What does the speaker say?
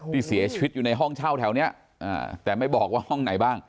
ที่เสียชีวิตอยู่ในห้องเช่าแถวนี้แต่ไม่บอกว่าห้องไหนบ้าง